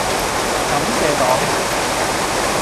感謝黨